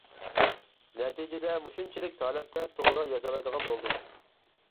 نەتىجىدە مۇشۇنچىلىك ھالەتتە توغرا يازالايدىغان بولدۇم.